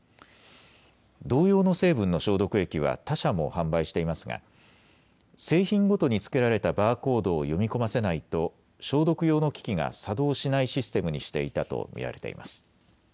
同様の成分の消毒液は他社も販売していますが製品ごとにつけられたバーコードを読み込ませないと消毒用の機器が作動しないシステムにしていたと見られています。